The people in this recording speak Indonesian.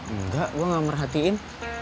enggak gue gak merhatiin